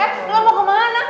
eh eh eh lo mau kemana